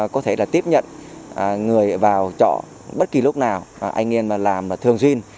có thể là tiếp nhận người vào chợ bất kỳ lúc nào anh yên làm thường xuyên